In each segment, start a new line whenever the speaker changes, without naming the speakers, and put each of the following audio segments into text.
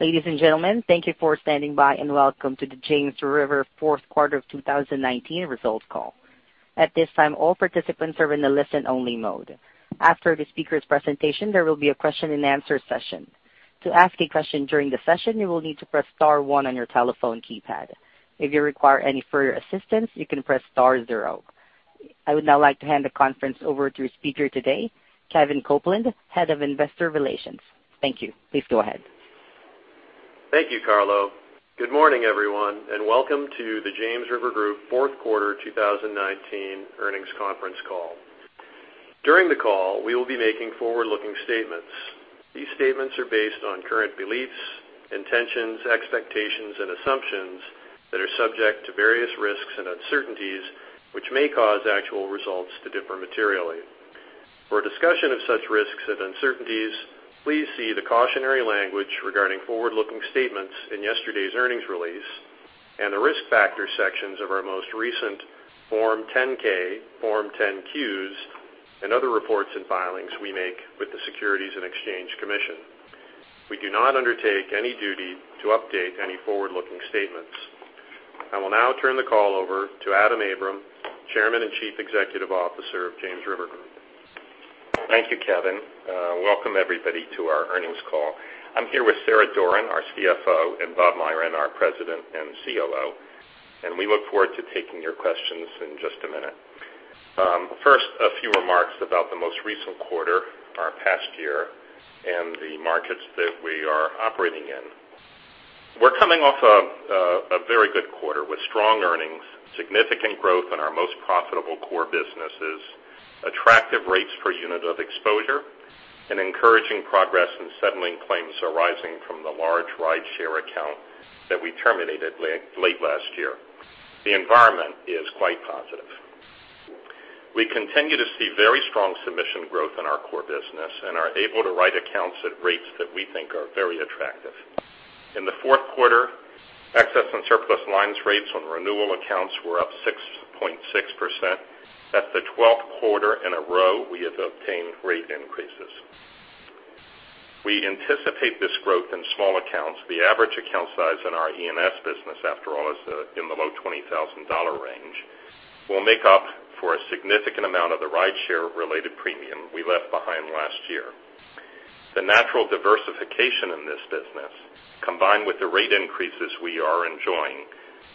Ladies and gentlemen, thank you for standing by, and welcome to the James River fourth quarter of 2019 results call. At this time, all participants are in the listen-only mode. After the speakers' presentation, there will be a question and answer session. To ask a question during the session, you will need to press star one on your telephone keypad. If you require any further assistance, you can press star zero. I would now like to hand the conference over to your speaker today, Kevin Copeland, Head of Investor Relations. Thank you. Please go ahead.
Thank you, Carlo. Good morning, everyone, and welcome to the James River Group fourth quarter 2019 earnings conference call. During the call, we will be making forward-looking statements. These statements are based on current beliefs, intentions, expectations, and assumptions that are subject to various risks and uncertainties, which may cause actual results to differ materially. For a discussion of such risks and uncertainties, please see the cautionary language regarding forward-looking statements in yesterday's earnings release and the Risk Factors sections of our most recent Form 10-K, Form 10-Qs, and other reports and filings we make with the Securities and Exchange Commission. We do not undertake any duty to update any forward-looking statements. I will now turn the call over to Adam Abram, Chairman and Chief Executive Officer of James River Group.
Thank you, Kevin. Welcome, everybody, to our earnings call. I'm here with Sarah Doran, our CFO, Bob Myron, our President and COO, and we look forward to taking your questions in just a minute. First, a few remarks about the most recent quarter, our past year, and the markets that we are operating in. We're coming off a very good quarter with strong earnings, significant growth in our most profitable core businesses, attractive rates per unit of exposure, and encouraging progress in settling claims arising from the large rideshare account that we terminated late last year. The environment is quite positive. We continue to see very strong submission growth in our core business and are able to write accounts at rates that we think are very attractive. In the fourth quarter, excess and surplus lines rates on renewal accounts were up 6.6%. That's the 12th quarter in a row we have obtained rate increases. We anticipate this growth in small accounts. The average account size in our E&S business, after all, is in the low $20,000 range, will make up for a significant amount of the rideshare-related premium we left behind last year. The natural diversification in this business, combined with the rate increases we are enjoying,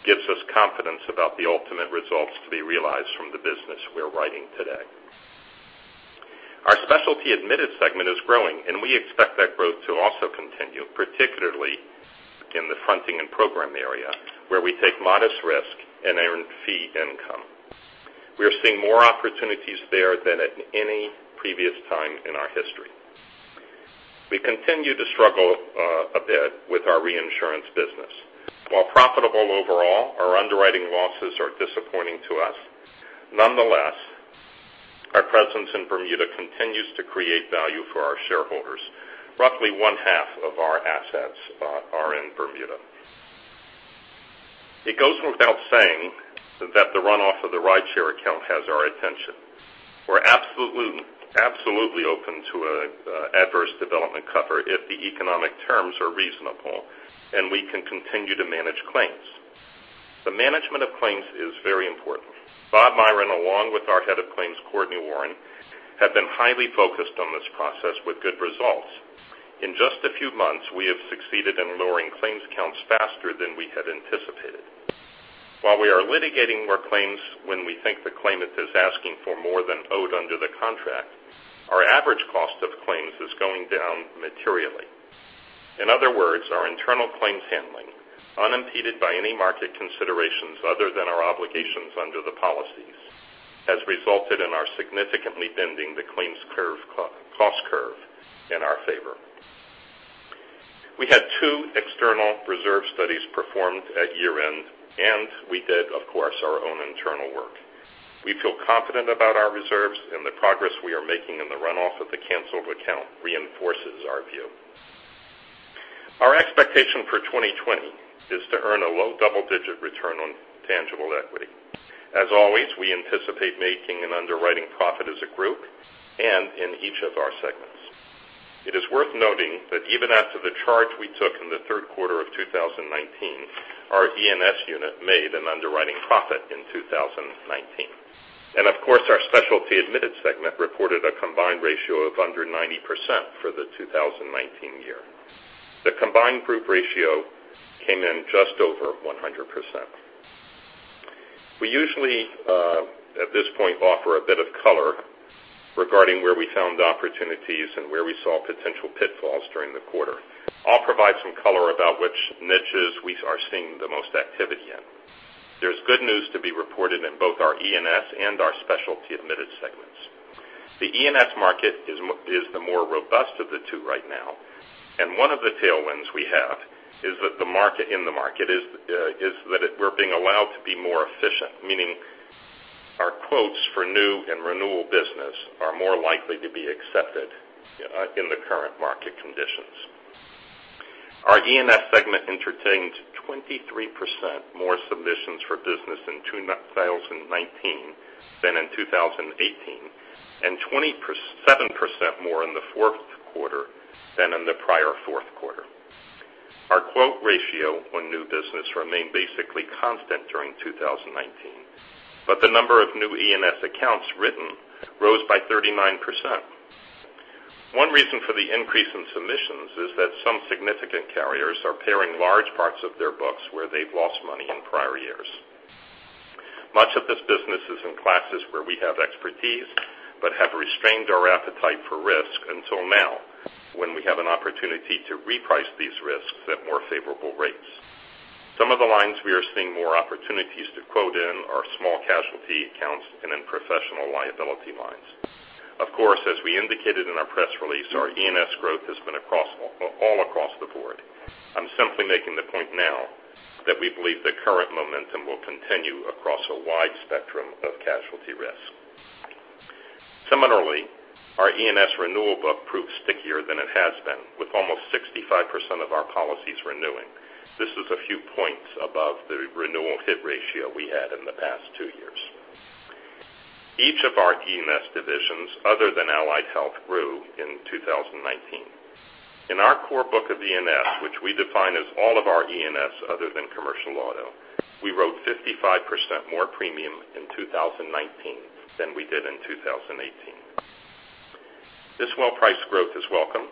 gives us confidence about the ultimate results to be realized from the business we're writing today. Our specialty admitted segment is growing, and we expect that growth to also continue, particularly in the fronting and program area, where we take modest risk and earn fee income. We are seeing more opportunities there than at any previous time in our history. We continue to struggle a bit with our reinsurance business. While profitable overall, our underwriting losses are disappointing to us. Nonetheless, our presence in Bermuda continues to create value for our shareholders. Roughly one-half of our assets are in Bermuda. It goes without saying that the runoff of the rideshare account has our attention. We're absolutely open to adverse development cover if the economic terms are reasonable and we can continue to manage claims. The management of claims is very important. Bob Myron, along with our head of claims, Courtney Warren, have been highly focused on this process with good results. In just a few months, we have succeeded in lowering claims counts faster than we had anticipated. While we are litigating more claims when we think the claimant is asking for more than owed under the contract, our average cost of claims is going down materially. In other words, our internal claims handling, unimpeded by any market considerations other than our obligations under the policies, has resulted in our significantly bending the claims cost curve in our favor. We had two external reserve studies performed at year-end, and we did, of course, our own internal work. We feel confident about our reserves, and the progress we are making in the runoff of the canceled account reinforces our view. Our expectation for 2020 is to earn a low double-digit return on tangible equity. As always, we anticipate making an underwriting profit as a group and in each of our segments. It is worth noting that even after the charge we took in the third quarter of 2019, our E&S unit made an underwriting profit in 2019. Of course, our specialty admitted segment reported a combined ratio of under 90% for the 2019 year. The combined group ratio came in just over 100%. We usually, at this point, offer a bit of color regarding where we found opportunities and where we saw potential pitfalls during the quarter. I'll provide some color about which niches we are seeing the most activity in. There's good news to be reported in both our E&S and our specialty admitted segments. The E&S market is the more robust of the two right now, and one of the tailwinds we have is that the market is that we're being allowed to be more efficient, meaning our quotes for new and renewal business are more likely to be accepted in the current market conditions. Our E&S segment entertained 23% more submissions for business in 2019 than in 2018, and 27% more in the fourth quarter than in the prior fourth quarter. Our quote ratio on new business remained basically constant during 2019. The number of new E&S accounts written rose by 39%. One reason for the increase in submissions is that some significant carriers are paring large parts of their books where they've lost money in prior years. Much of this business is in classes where we have expertise but have restrained our appetite for risk until now, when we have an opportunity to reprice these risks at more favorable rates. Some of the lines we are seeing more opportunities to quote in are small casualty accounts and in professional liability lines. As we indicated in our press release, our E&S growth has been all across the board. I'm simply making the point now that we believe the current momentum will continue across a wide spectrum of casualty risk. Similarly, our E&S renewal book proved stickier than it has been, with almost 65% of our policies renewing. This is a few points above the renewal hit ratio we had in the past two years. Each of our E&S divisions, other than Allied Health, grew in 2019. In our core book of E&S, which we define as all of our E&S other than commercial auto, we wrote 55% more premium in 2019 than we did in 2018. This well-priced growth is welcome,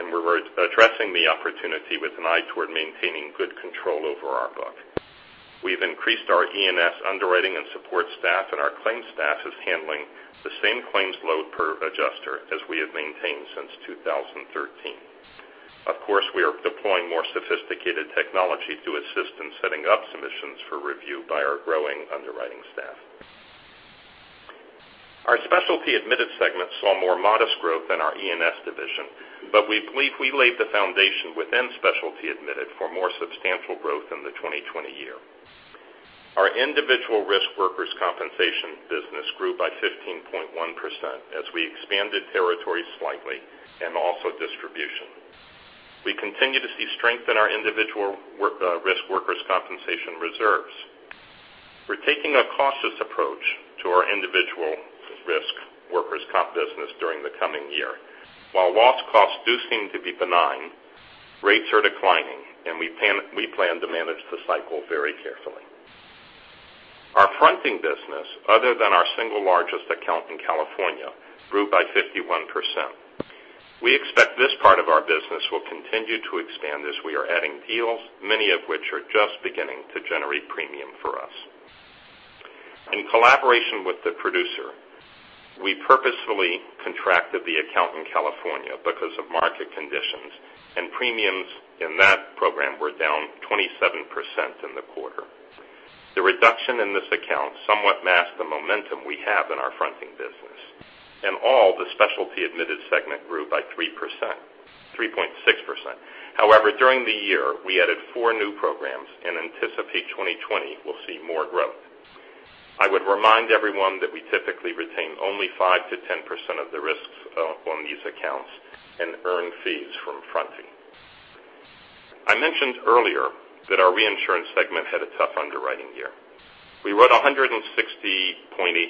and we're addressing the opportunity with an eye toward maintaining good control over our book. We've increased our E&S underwriting and support staff, and our claims staff is handling the same claims load per adjuster as we have maintained since 2013. Of course, we are deploying more sophisticated technology to assist in setting up submissions for review by our growing underwriting staff. Our specialty admitted segment saw more modest growth than our E&S division. We believe we laid the foundation within specialty admitted for more substantial growth in the 2020 year. Our individual risk workers' compensation business grew by 15.1% as we expanded territory slightly and also distribution. We continue to see strength in our individual risk workers' compensation reserves. We're taking a cautious approach to our individual risk workers' comp business during the coming year. While loss costs do seem to be benign, rates are declining, and we plan to manage the cycle very carefully. Our fronting business, other than our single largest account in California, grew by 51%. We expect this part of our business will continue to expand as we are adding deals, many of which are just beginning to generate premium for us. In collaboration with the producer, we purposefully contracted the account in California because of market conditions. Premiums in that program were down 27% in the quarter. The reduction in this account somewhat masked the momentum we have in our fronting business. All the specialty admitted segment grew by 3.6%. During the year, we added four new programs and anticipate 2020 will see more growth. I would remind everyone that we typically retain only 5%-10% of the risks on these accounts and earn fees from fronting. I mentioned earlier that our reinsurance segment had a tough underwriting year. We wrote $160.8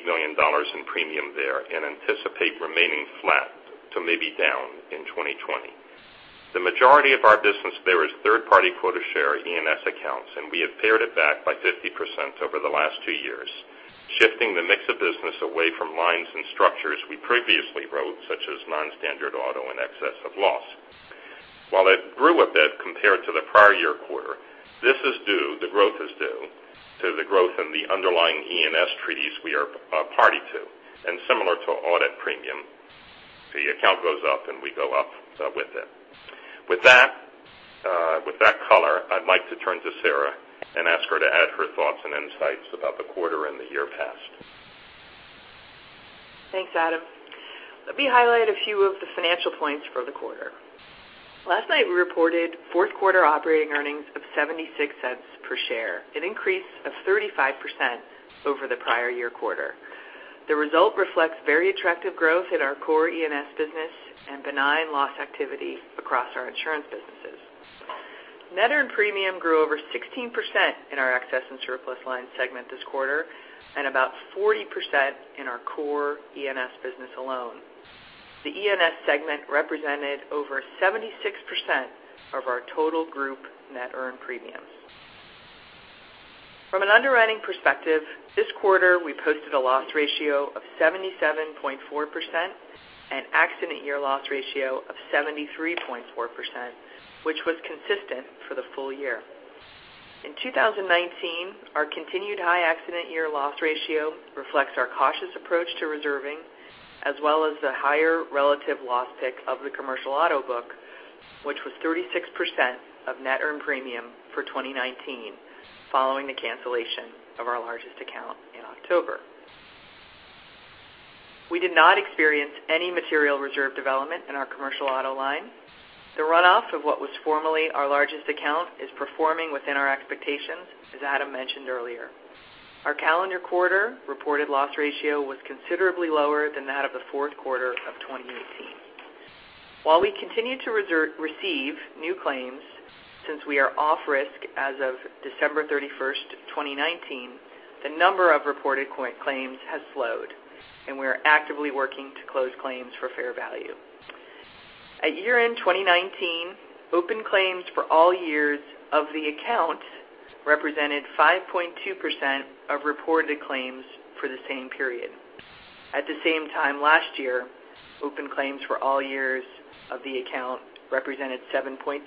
million in premium there and anticipate remaining flat to maybe down in 2020. The majority of our business there is third-party quota share E&S accounts. We have pared it back by 50% over the last two years, shifting the mix of business away from lines and structures we previously wrote, such as non-standard auto and excess of loss. While it grew a bit compared to the prior year quarter, the growth is due to the growth in the underlying E&S treaties we are a party to. Similar to audit premium, the account goes up and we go up with it. With that color, I'd like to turn to Sarah and ask her to add her thoughts and insights about the quarter and the year past.
Thanks, Adam. Let me highlight a few of the financial points for the quarter. Last night, we reported fourth quarter operating earnings of $0.76 per share, an increase of 35% over the prior year quarter. The result reflects very attractive growth in our core E&S business and benign loss activity across our insurance businesses. Net earned premium grew over 16% in our excess and surplus lines segment this quarter, and about 40% in our core E&S business alone. The E&S segment represented over 76% of our total group net earned premiums. From an underwriting perspective, this quarter, we posted a loss ratio of 77.4% and accident year loss ratio of 73.4%, which was consistent for the full year. In 2019, our continued high accident year loss ratio reflects our cautious approach to reserving, as well as the higher relative loss pick of the commercial auto book, which was 36% of net earned premium for 2019, following the cancellation of our largest account in October. We did not experience any material reserve development in our commercial auto line. The runoff of what was formerly our largest account is performing within our expectations, as Adam mentioned earlier. Our calendar quarter reported loss ratio was considerably lower than that of the fourth quarter of 2018. While we continue to receive new claims, since we are off risk as of December 31st, 2019, the number of reported claims has slowed, and we are actively working to close claims for fair value. At year-end 2019, open claims for all years of the account represented 5.2% of reported claims for the same period. At the same time last year, open claims for all years of the account represented 7.2%.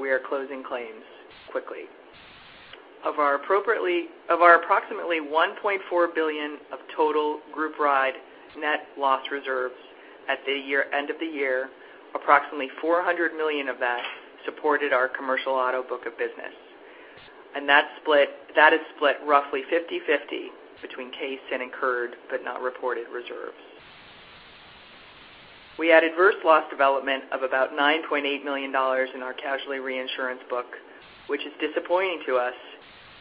We are closing claims quickly. Of our approximately $1.4 billion of total group-wide net loss reserves at the end of the year, approximately $400 million of that supported our commercial auto book of business. That is split roughly 50/50 between case and incurred, but not reported reserves. We had adverse loss development of about $9.8 million in our casualty reinsurance book, which is disappointing to us,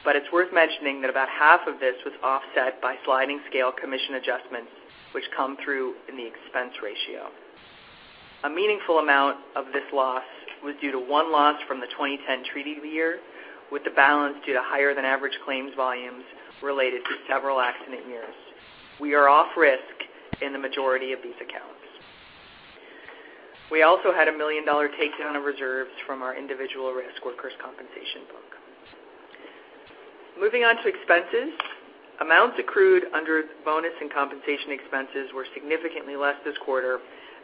but it's worth mentioning that about half of this was offset by sliding scale commission adjustments, which come through in the expense ratio. A meaningful amount of this loss was due to one loss from the 2010 treaty year, with the balance due to higher than average claims volumes related to several accident years. We are off risk in the majority of these accounts. We also had a $1 million takedown of reserves from our individual risk workers' compensation book. Moving on to expenses. Amounts accrued under bonus and compensation expenses were significantly less this quarter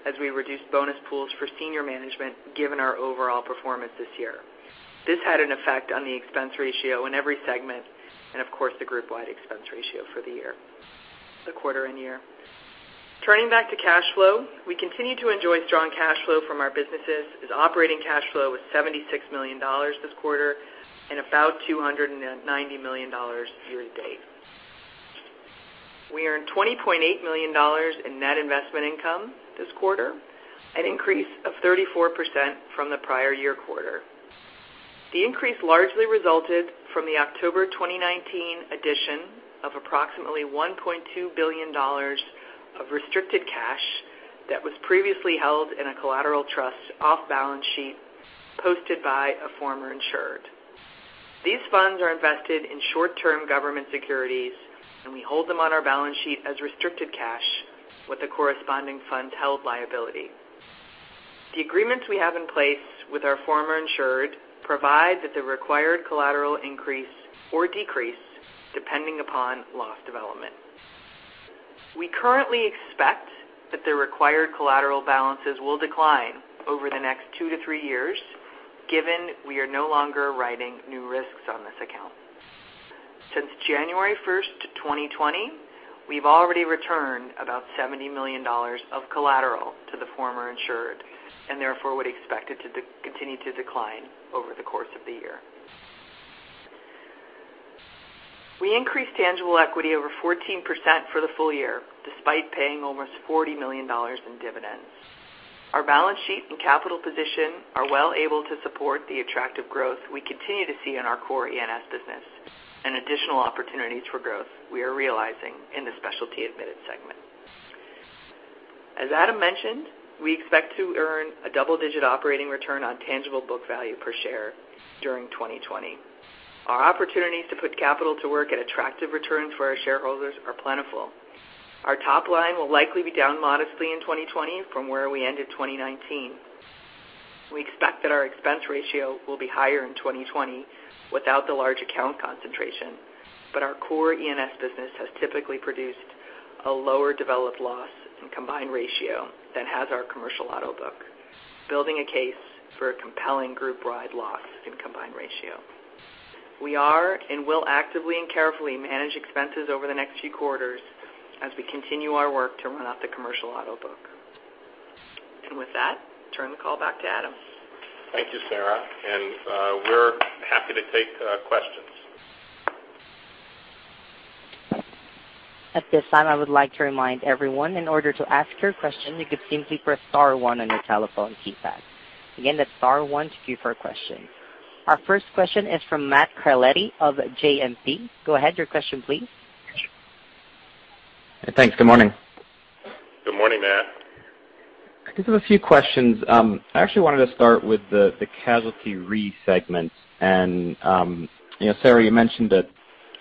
as we reduced bonus pools for senior management, given our overall performance this year. This had an effect on the expense ratio in every segment and of course, the group-wide expense ratio for the quarter and year. Turning back to cash flow, we continue to enjoy strong cash flow from our businesses, as operating cash flow was $76 million this quarter and about $290 million year to date. We earned $20.8 million in net investment income this quarter, an increase of 34% from the prior year quarter. The increase largely resulted from the October 2019 addition of approximately $1.2 billion of restricted cash that was previously held in a collateral trust off balance sheet posted by a former insured. These funds are invested in short-term government securities. We hold them on our balance sheet as restricted cash with a corresponding fund-held liability. The agreements we have in place with our former insured provide that the required collateral increase or decrease depending upon loss development. We currently expect that the required collateral balances will decline over the next two to three years, given we are no longer writing new risks on this account. Since January 1st, 2020, we've already returned about $70 million of collateral to the former insured and therefore would expect it to continue to decline over the course of the year. We increased tangible equity over 14% for the full year, despite paying almost $40 million in dividends. Our balance sheet and capital position are well able to support the attractive growth we continue to see in our core E&S business, and additional opportunities for growth we are realizing in the specialty admitted segment. As Adam mentioned, we expect to earn a double-digit operating return on tangible book value per share during 2020. Our opportunities to put capital to work at attractive returns for our shareholders are plentiful. Our top line will likely be down modestly in 2020 from where we ended 2019. We expect that our expense ratio will be higher in 2020 without the large account concentration. Our core E&S business has typically produced a lower developed loss and combined ratio than has our commercial auto book, building a case for a compelling group-wide loss and combined ratio. We are and will actively and carefully manage expenses over the next few quarters as we continue our work to run out the commercial auto book. With that, turn the call back to Adam.
Thank you, Sarah. We're happy to take questions.
At this time, I would like to remind everyone, in order to ask your question, you can simply press star one on your telephone keypad. That's star one to queue for a question. Our first question is from Matt Carletti of JMP. Go ahead. Your question, please.
Thanks. Good morning.
Good morning, Matt.
I just have a few questions. I actually wanted to start with the Casualty Re segment. Sarah, you mentioned that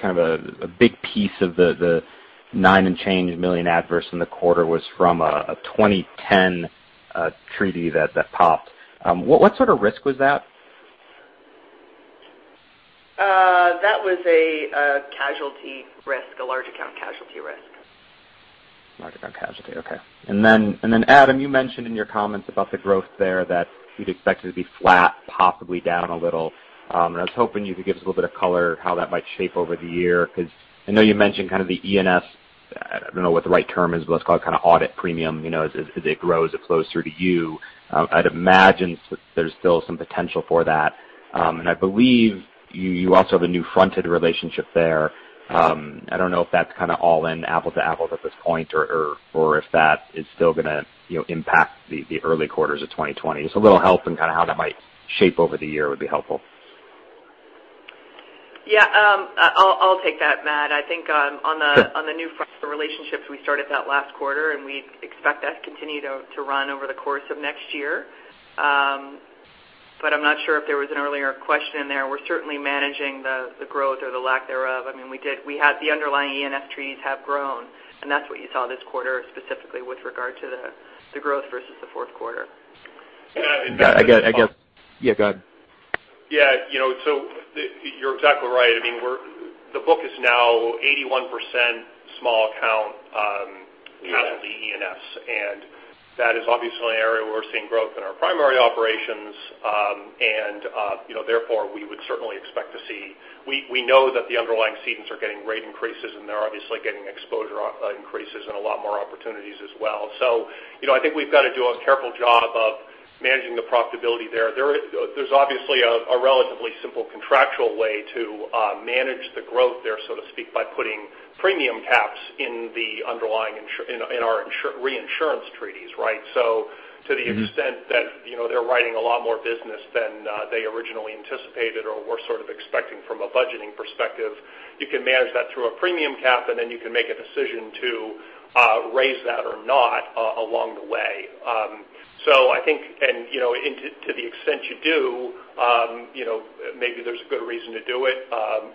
kind of a big piece of the $9 and change million adverse in the quarter was from a 2010 treaty that popped. What sort of risk was that?
That was a casualty risk, a large account casualty risk.
Large account casualty. Okay. Adam, you mentioned in your comments about the growth there that you'd expect it to be flat, possibly down a little. I was hoping you could give us a little bit of color how that might shape over the year, because I know you mentioned kind of the E&S, I don't know what the right term is, but let's call it kind of audit premium, as it grows, it flows through to you. I'd imagine there's still some potential for that. I believe you also have a new fronted relationship there. I don't know if that's kind of all in apple to apple at this point or if that is still going to impact the early quarters of 2020. Just a little help in kind of how that might shape over the year would be helpful.
Yeah. I'll take that, Matt. I think on the new front, the relationships we started that last quarter, we expect that to continue to run over the course of next year. I'm not sure if there was an earlier question there. We're certainly managing the growth or the lack thereof. I mean, the underlying E&S treaties have grown, and that's what you saw this quarter specifically with regard to the growth versus the fourth quarter.
Yeah. Adam.
Go ahead.
You're exactly right. I mean, the book is now 81% small account-
Yes
casualty E&S, That is obviously an area where we're seeing growth in our primary operations. Therefore, we would certainly expect to see. We know that the underlying cedents are getting rate increases, They're obviously getting exposure increases and a lot more opportunities as well. I think we've got to do a careful job of managing the profitability there. There's obviously a relatively simple contractual way to manage the growth there, so to speak, by putting premium caps in our reinsurance treaties, right? To the extent that they're writing a lot more business than they originally anticipated or were sort of expecting from a budgeting perspective, you can manage that through a premium cap, and then you can make a decision to raise that or not along the way. I think, to the extent you do, maybe there's a good reason to do it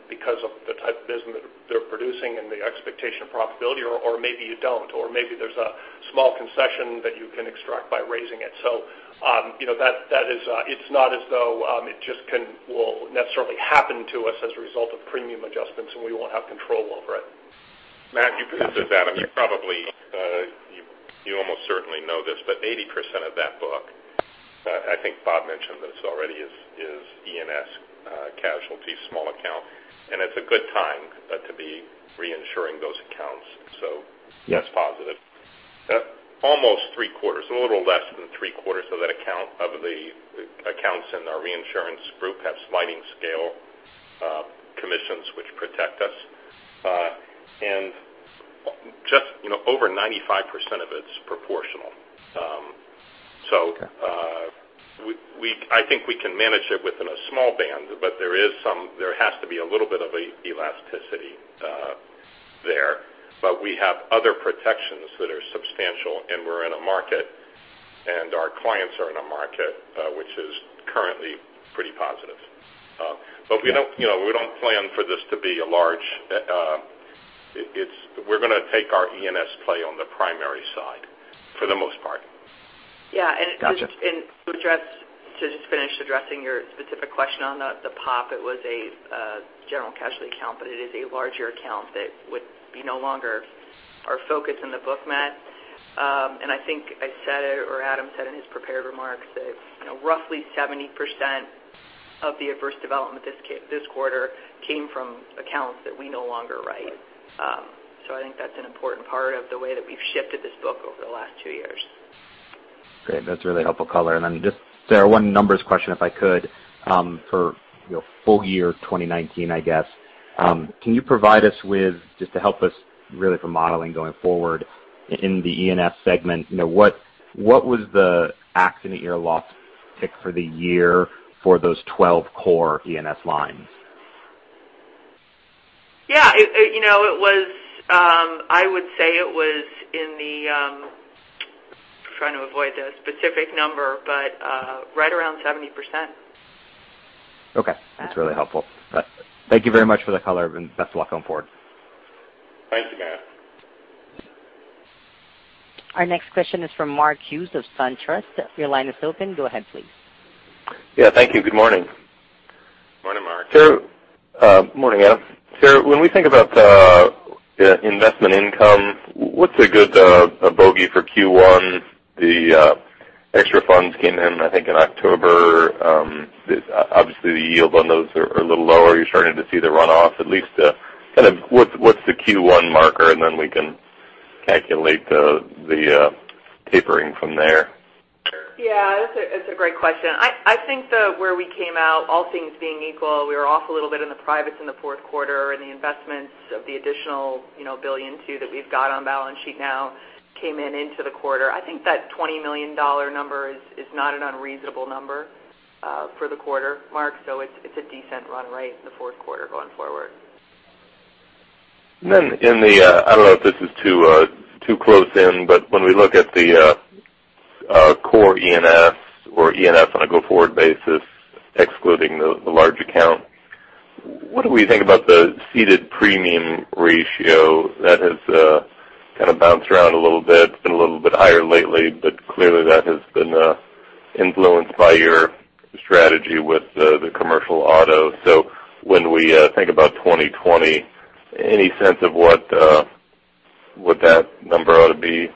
because of the type of business that they're producing and the expectation of profitability or maybe you don't, or maybe there's a small concession that you can extract by raising it. It's not as though it just will necessarily happen to us as a result of premium adjustments, and we won't have control over it.
Matt, you can answer that. I mean, probably, you almost certainly know this, but 80% of that book, I think Bob mentioned this already, is E&S casualty small account, and it is a good time to be reinsuring those accounts. That is positive. Almost three quarters, a little less than three quarters of the accounts in our reinsurance group have sliding scale commissions, which protect us. Just over 95% of it is proportional.
Okay. I think we can manage it within a small band, but there has to be a little bit of elasticity there. We have other protections that are substantial, and we are in a market, and our clients are in a market which is currently pretty positive. We do not plan for this to be large. We are going to take our E&S play on the primary side for the most part.
Yeah. Got you. just finish addressing your specific question on the POP, it was a general casualty account, but it is a larger account that would be no longer our focus in the book, Matt. I think I said it, or Adam said in his prepared remarks that roughly 70% of the adverse development this quarter came from accounts that we no longer write. I think that's an important part of the way that we've shifted this book over the last two years.
Great. That's a really helpful color. Then just, Sarah, one numbers question, if I could, for full year 2019, I guess. Can you provide us with, just to help us really for modeling going forward in the E&S segment, what was the accident year loss ratio for the year for those 12 core E&S lines?
Yeah. I would say it was trying to avoid the specific number, but right around 70%.
Okay. That's really helpful. Thank you very much for the color. Best of luck going forward.
Thank you, Matt.
Our next question is from Mark Hughes of SunTrust. Your line is open. Go ahead, please.
Yeah, thank you. Good morning.
Morning, Mark.
Morning, Adam. Sarah, when we think about investment income, what's a good bogey for Q1? The extra funds came in, I think, in October. Obviously, the yield on those are a little lower. You're starting to see the runoff at least. Kind of, what's the Q1 marker? Then we can calculate the tapering from there.
Yeah. It's a great question. I think that where we came out, all things being equal, we were off a little bit in the privates in the fourth quarter, and the investments of the additional $1.2 billion that we've got on balance sheet now came in into the quarter. I think that $20 million number is not an unreasonable number for the quarter, Mark, it's a decent run rate in the fourth quarter going forward.
I don't know if this is too close in, but when we look at the core E&S or E&S on a go-forward basis, excluding the large account, what do we think about the ceded premium ratio? That has kind of bounced around a little bit. It's been a little bit higher lately, but clearly, that has been influenced by your strategy with the commercial auto. When we think about 2020, any sense of what that number ought to be?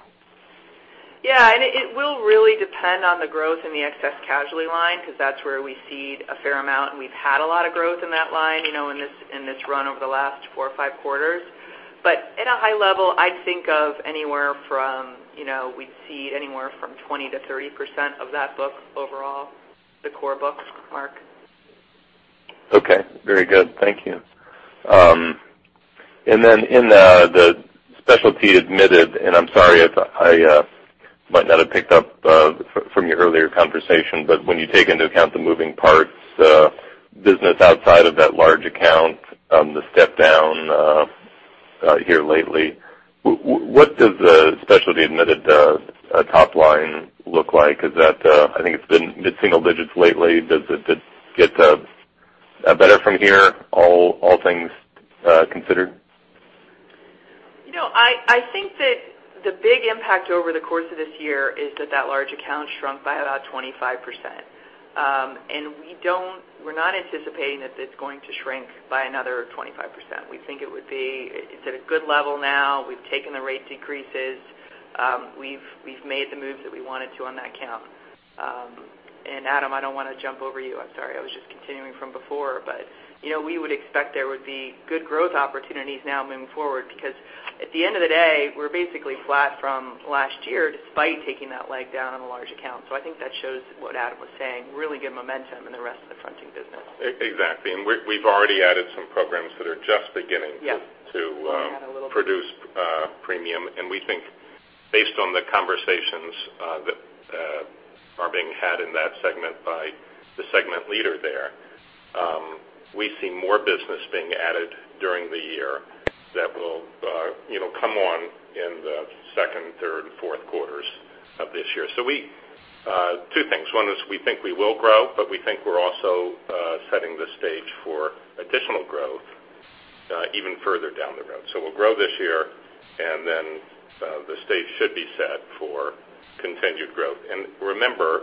Yeah. It will really depend on the growth in the excess casualty line because that's where we cede a fair amount, and we've had a lot of growth in that line in this run over the last four or five quarters. At a high level, I'd think of anywhere from we'd cede anywhere from 20%-30% of that book overall, the core book, Mark.
Okay. Very good. Thank you. Then in the specialty admitted, I'm sorry if I might not have picked from your earlier conversation, but when you take into account the moving parts business outside of that large account, the step down here lately, what does the specialty admitted top line look like? I think it's been mid-single digits lately. Does it get better from here, all things considered?
I think that the big impact over the course of this year is that that large account shrunk by about 25%. We're not anticipating that it's going to shrink by another 25%. We think it's at a good level now. We've taken the rate decreases. We've made the moves that we wanted to on that account. Adam, I don't want to jump over you. I'm sorry. I was just continuing from before, we would expect there would be good growth opportunities now moving forward because at the end of the day, we're basically flat from last year despite taking that leg down on a large account. I think that shows what Adam was saying, really good momentum in the rest of the fronting business.
Exactly. We've already added some programs that are just beginning-
Yeah
to produce premium. We think based on the conversations that are being had in that segment by the segment leader there, we see more business being added during the year that will come on in the second, third, and fourth quarters of this year. Two things. One is we think we will grow, we think we're also setting the stage for additional growth even further down the road. We'll grow this year, the stage should be set for continued growth. Remember,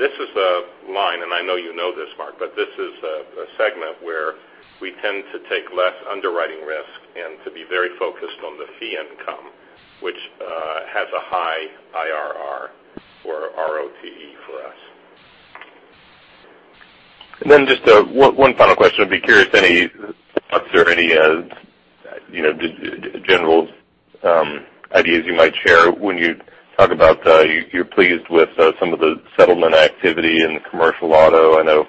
this is a line, I know you know this, Mark, this is a segment where we tend to take less underwriting risk and to be very focused on the fee income, which has a high IRR or ROTE for us.
Just one final question. I'd be curious, any thoughts or any general ideas you might share when you talk about you're pleased with some of the settlement activity in the commercial auto. I know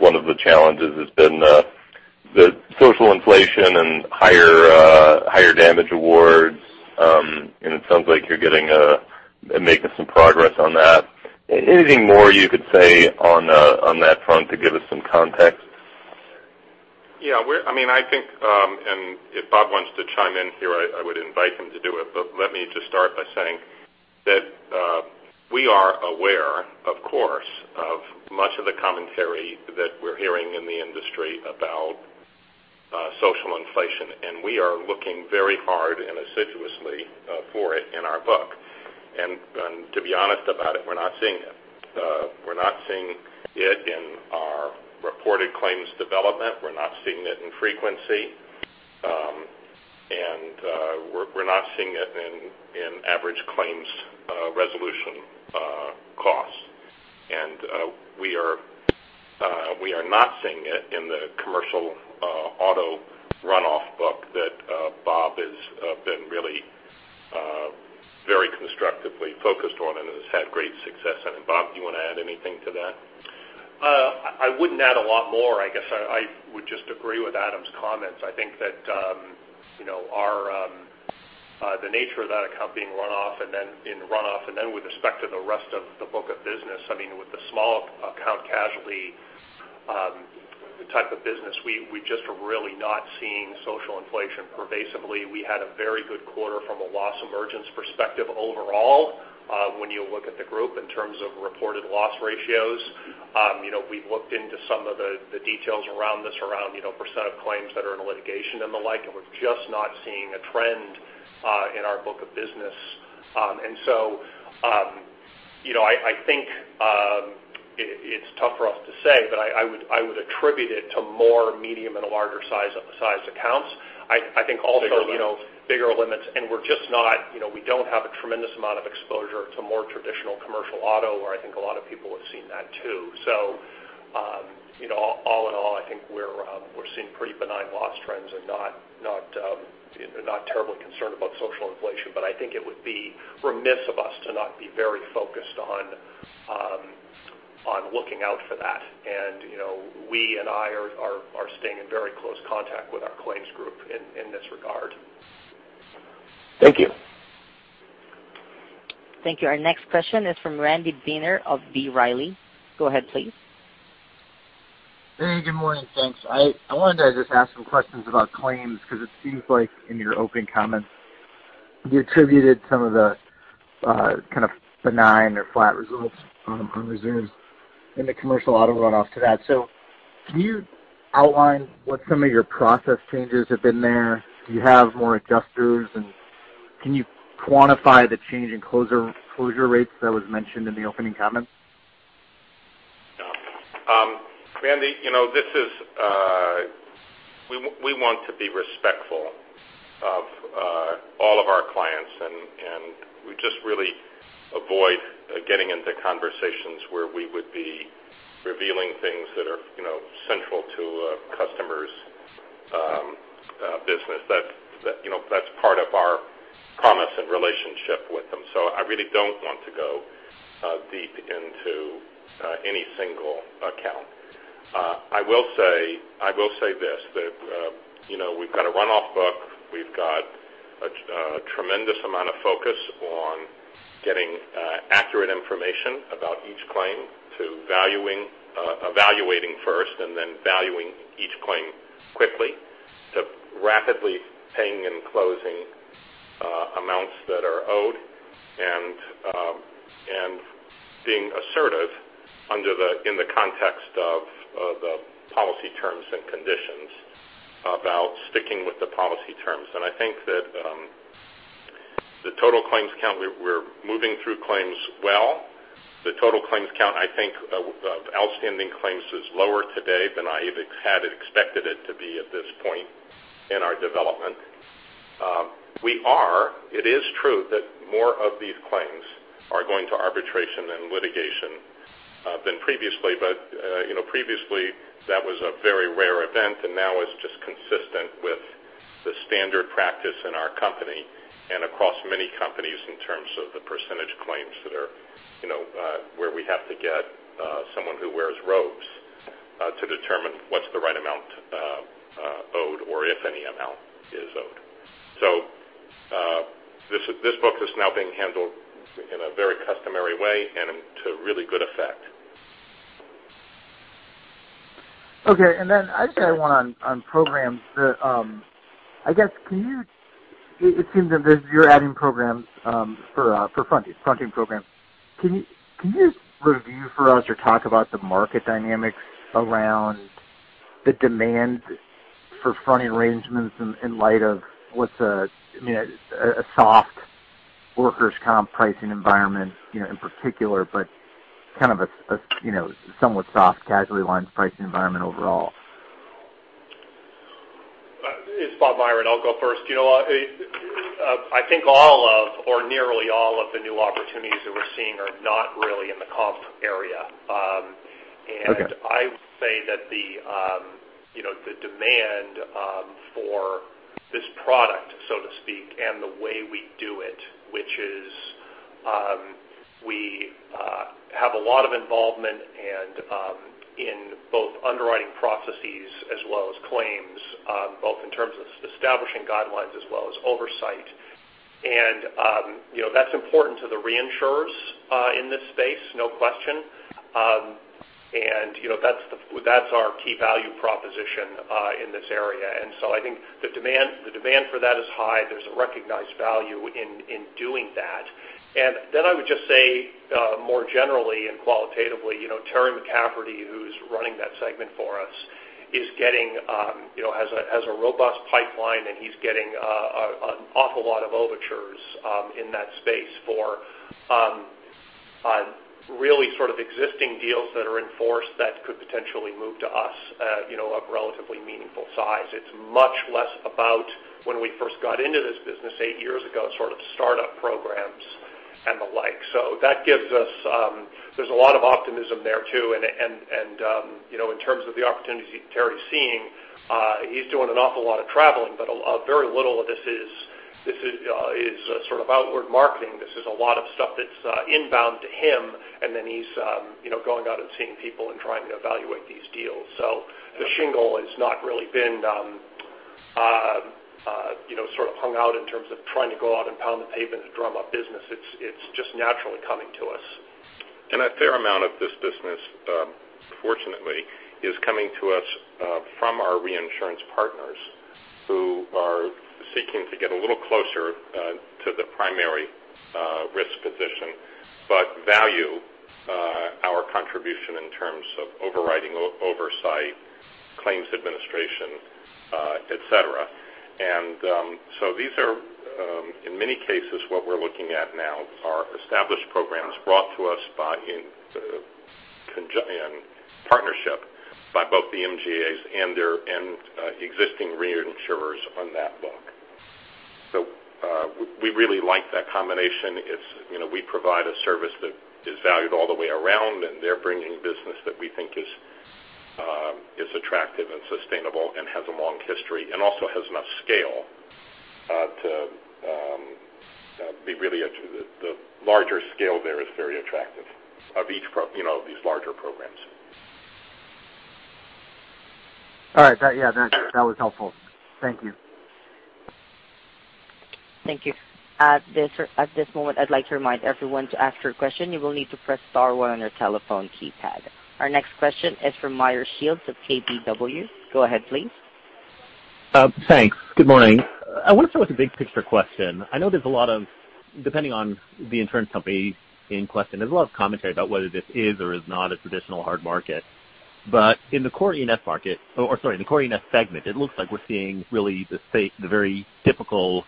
one of the challenges has been the social inflation and higher damage awards. It sounds like you're making some progress on that. Anything more you could say on that front to give us some context?
Yeah. I think, and if Bob wants to chime in here, I would invite him to do it, but let me just start by saying that we are aware, of course, of much of the commentary that we're hearing in the industry about social inflation, we are looking very hard and assiduously for it in our book. To be honest about it, we're not seeing it. We're not seeing it in our reported claims development. We're not seeing it in frequency. We're not seeing it in average claims resolution costs. We are not seeing it in the commercial auto runoff book that Bob has been really very constructively focused on and has had great success in. Bob, do you want to add anything to that?
I wouldn't add a lot more. I guess I would just agree with Adam's comments. I think that the nature of that account being in runoff, then with respect to the rest of the book of business, with the small account casualty type of business, we're just really not seeing social inflation pervasively. We had a very good quarter from a loss emergence perspective overall when you look at the group in terms of reported loss ratios. We've looked into some of the details around this, around % of claims that are in litigation and the like, we're just not seeing a trend in our book of business. So I think it's tough for us to say, but I would attribute it to more medium and larger sized accounts. I think also-
Bigger limits
bigger limits, we don't have a tremendous amount of exposure to more traditional commercial auto, where I think a lot of people have seen that too. All in all, I think we're seeing pretty benign loss trends and not terribly concerned about social inflation. I think it would be remiss of us to not be very focused on looking out for that. We and I are staying in very close contact with our claims group in this regard.
Thank you.
Thank you. Our next question is from Randy Binner of B. Riley. Go ahead, please.
Randy, good morning. Thanks. I wanted to just ask some questions about claims because it seems like in your opening comments, you attributed some of the kind of benign or flat results on reserves in the commercial auto runoff to that. Can you outline what some of your process changes have been there? Do you have more adjusters, and can you quantify the change in closure rates that was mentioned in the opening comments?
Randy, we want to be respectful of all of our clients. We just really avoid getting into conversations where we would be revealing things that are central to a customer's business. That's part of our promise and relationship with them. I really don't want to go deep into any single account. I will say this, that we've got a runoff book. We've got a tremendous amount of focus on getting accurate information about each claim to evaluating first and then valuing each claim quickly, to rapidly paying and closing amounts that are owed, and being assertive in the context of the policy terms and conditions about sticking with the policy terms. I think that the total claims count, we're moving through claims well. The total claims count, I think outstanding claims is lower today than I even had expected it to be at this point in our development. It is true that more of these claims are going to arbitration and litigation than previously, but previously that was a very rare event, and now it's just consistent with the standard practice in our company and across many companies in terms of the % claims where we have to get someone who wears robes to determine what's the right amount owed or if any amount is owed. This book is now being handled in a very customary way and to really good effect.
Okay, I just got one on programs. It seems as if you're adding programs for fronting programs. Can you just review for us or talk about the market dynamics around the demand for fronting arrangements in light of a soft workers' comp pricing environment in particular, but kind of a somewhat soft casualty lines pricing environment overall?
It's Bob Myron. I'll go first. I think all of, or nearly all of the new opportunities that we're seeing are not really in the comp area.
Okay.
I would say that the demand for this product, so to speak, and the way we do it, which is we have a lot of involvement in both underwriting processes as well as claims, both in terms of establishing guidelines as well as oversight. That's important to the reinsurers in this space, no question. That's our key value proposition in this area. I think the demand for that is high. There's a recognized value in doing that. I would just say, more generally and qualitatively, Terry McCafferty, who's running that segment for us, has a robust pipeline and he's getting an awful lot of overtures in that space for really sort of existing deals that are in force that could potentially move to us of relatively meaningful size. It's much less about when we first got into this business eight years ago, sort of startup programs and the like. There's a lot of optimism there, too. In terms of the opportunities Terry's seeing, he's doing an awful lot of traveling, but very little of this is sort of outward marketing. This is a lot of stuff that's inbound to him, and then he's going out and seeing people and trying to evaluate these deals. The shingle has not really been sort of hung out in terms of trying to go out and pound the pavement to drum up business. It's just naturally coming to us.
A fair amount of this business, fortunately, is coming to us from our reinsurance partners who are seeking to get a little closer to the primary risk position, but value our contribution in terms of overriding oversight, claims administration, et cetera. These are, in many cases, what we're looking at now are established programs brought to us in partnership by both the MGAs and existing reinsurers on that book. We really like that combination. We provide a service that is valued all the way around, and they're bringing business that we think is attractive and sustainable and has a long history, and also has enough scale to be The larger scale there is very attractive of these larger programs.
All right. Yeah, that was helpful. Thank you.
Thank you. At this moment, I'd like to remind everyone to ask your question, you will need to press star one on your telephone keypad. Our next question is from Meyer Shields of KBW. Go ahead, please.
Thanks. Good morning. I want to start with a big picture question. I know there's a lot of, depending on the insurance company in question, there's a lot of commentary about whether this is or is not a traditional hard market. In the core E&S segment, it looks like we're seeing really the very typical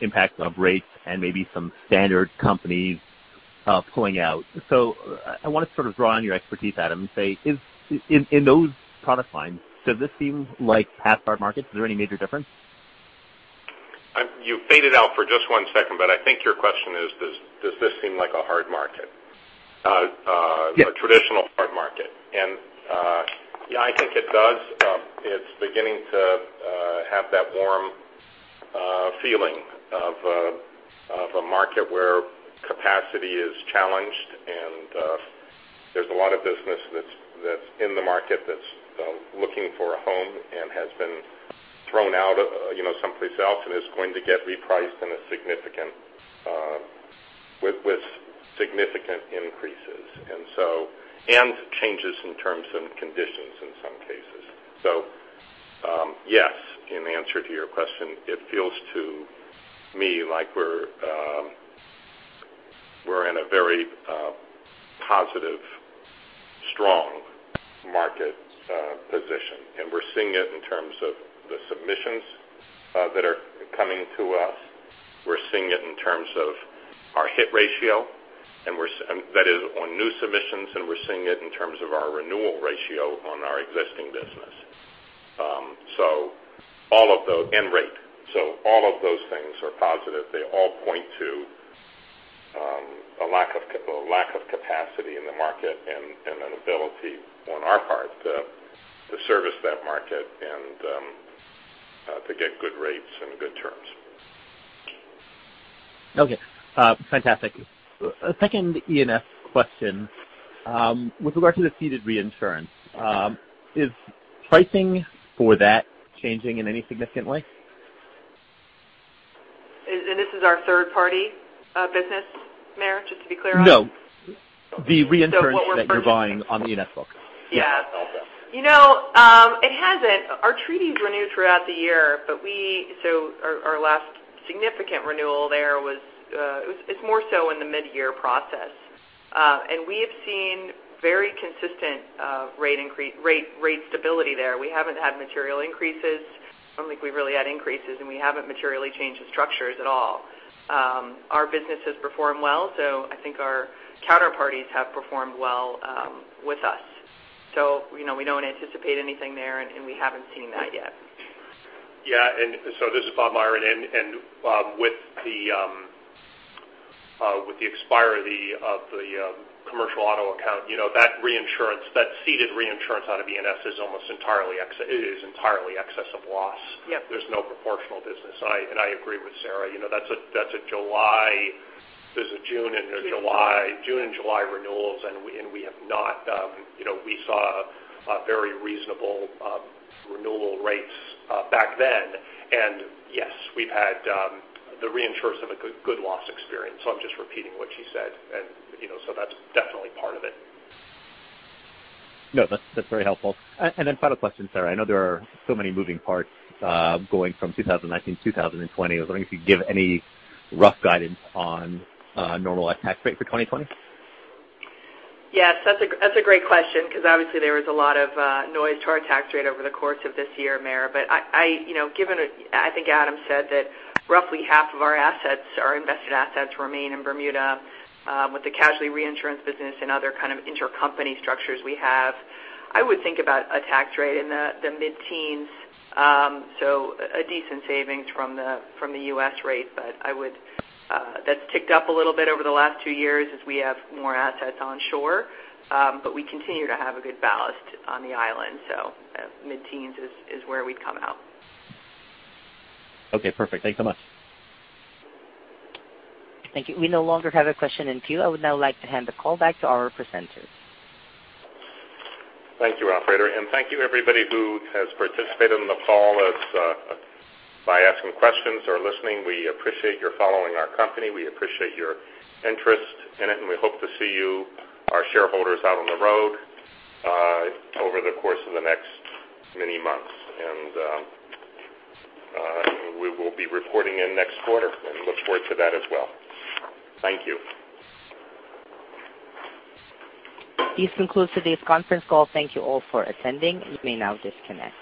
impact on rates and maybe some standard companies pulling out. I want to sort of draw on your expertise, Adam, and say, in those product lines, does this seem like past hard markets? Is there any major difference?
You faded out for just one second, I think your question is, does this seem like a hard market?
Yes.
A traditional hard market. I think it does. It's beginning to have that warm feeling of a market where capacity is challenged. There's a lot of business that's in the market that's looking for a home and has been thrown out someplace else and is going to get repriced with significant increases, and changes in terms and conditions in some cases. Yes, in answer to your question, it feels to me like we're in a very positive, strong market position, and we're seeing it in terms of the submissions that are coming to us. We're seeing it in terms of our hit ratio, that is on new submissions, and we're seeing it in terms of our renewal ratio on our existing business and rate. All of those things are positive. They all point to a lack of capacity in the market and an ability on our part to service that market and to get good rates and good terms.
Okay. Fantastic. A second E&S question. With regard to the ceded reinsurance, is pricing for that changing in any significant way?
This is our third-party business, Meyer, just to be clear on?
No.
what we're purchasing
that you're buying on the E&S book.
Yeah. It hasn't. Our treaties renew throughout the year, so our last significant renewal there, it's more so in the mid-year process. We have seen very consistent rate stability there. We haven't had material increases. I don't think we've really had increases, and we haven't materially changed the structures at all. Our business has performed well. I think our counterparties have performed well with us. We don't anticipate anything there, and we haven't seen that yet.
Yeah. This is Bob Myron. With the expiry of the commercial auto account, that ceded reinsurance out of E&S is entirely excess of loss.
Yep.
There's no proportional business. I agree with Sarah. There's a June and July renewals, and we saw very reasonable renewal rates back then. Yes, we've had the reinsurers have a good loss experience. I'm just repeating what she said. That's definitely part of it.
No, that's very helpful. Final question, Sarah. I know there are so many moving parts going from 2019, 2020. I was wondering if you could give any rough guidance on normalized tax rate for 2020?
Yes, that's a great question, because obviously there was a lot of noise to our tax rate over the course of this year, Meyer. I think Adam said that roughly half of our invested assets remain in Bermuda with the casualty reinsurance business and other kind of intercompany structures we have. I would think about a tax rate in the mid-teens. A decent savings from the U.S. rate, but that's ticked up a little bit over the last two years as we have more assets on shore. We continue to have a good ballast on the island. Mid-teens is where we'd come out.
Okay, perfect. Thanks so much.
Thank you. We no longer have a question in queue. I would now like to hand the call back to our presenters.
Thank you, operator. Thank you everybody who has participated in the call by asking questions or listening. We appreciate your following our company. We appreciate your interest in it, and we hope to see you, our shareholders, out on the road over the course of the next many months. We will be reporting in next quarter and look forward to that as well. Thank you.
This concludes today's conference call. Thank you all for attending. You may now disconnect.